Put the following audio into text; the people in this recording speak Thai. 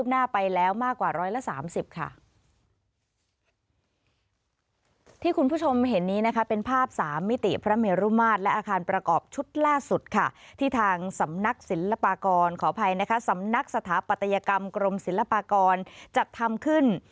นักศิลปากรขออภัยนะคะสำนักสถาปัตยกรรมกรมศิลปากรจัดทำขึ้น